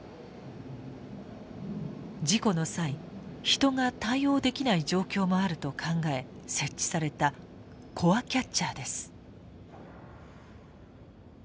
事故の際人が対応できない状況もあると考え設置されたコアキャッチャーです。